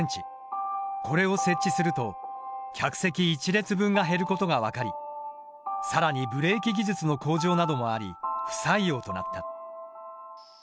これを設置すると客席１列分が減ることが分かり更にブレーキ技術の向上などもあり不採用となった。